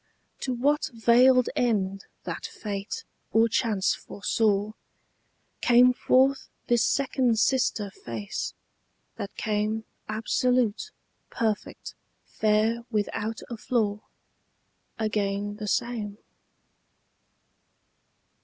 To what veiled end that fate or chance foresaw Came forth this second sister face, that came Absolute, perfect, fair without a flaw, Again the same?